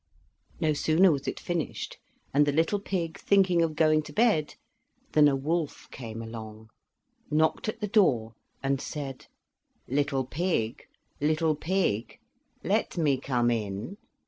No sooner was it finished, and the little pig thinking of going to bed, than a wolf came along, knocked at the door, and said: "Little pig, little pig, let me come in."